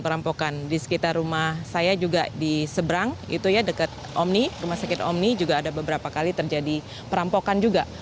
perampokan di sekitar rumah saya juga di seberang itu ya dekat omni rumah sakit omni juga ada beberapa kali terjadi perampokan juga